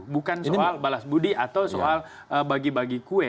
bukan soal balas budi atau soal bagi bagi kue